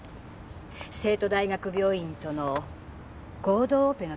西都大学病院との合同オペの時でしたっけ？